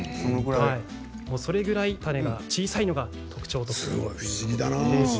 それぐらい種が小さいのが特徴です。